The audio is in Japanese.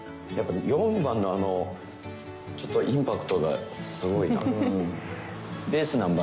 やっぱ４番のあのちょっとインパクトがすごいな。